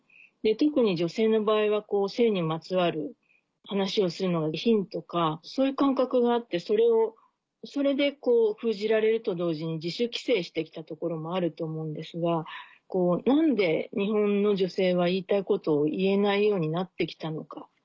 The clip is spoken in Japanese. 特に女性の場合は性にまつわる話をするのが下品とかそういう感覚があってそれで封じられると同時に自主規制して来たところもあると思うんですが何で日本の女性は言いたいことを言えないようになって来たのか。